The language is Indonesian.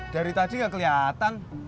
dari tadi gak keliatan